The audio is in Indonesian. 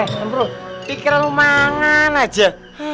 eh amro pikir lu mangan aja